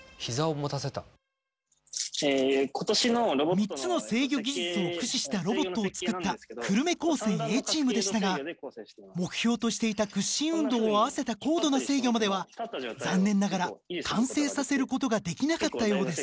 ３つの制御技術を駆使したロボットを作った久留米高専Ａチームでしたが目標としていた屈伸運動を合わせた高度な制御までは残念ながら完成させることができなかったようです。